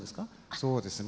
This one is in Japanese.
そうですね。